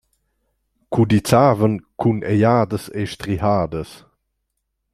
Cudizzavan cun egliadas e strihadas.